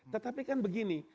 tetapi kan begini